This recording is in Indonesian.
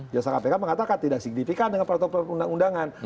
jelas kpk mengatakan tidak signifikan dengan protokol perundangan